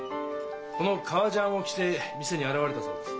この革ジャンを着て店に現れたそうです。